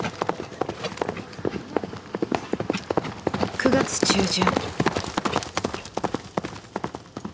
９月中旬。